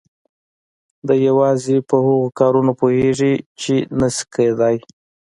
دی يوازې پر هغو کارونو پوهېږي چې نه شي کېدای.